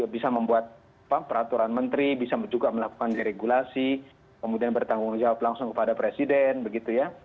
bisa membuat peraturan menteri bisa juga melakukan deregulasi kemudian bertanggung jawab langsung kepada presiden begitu ya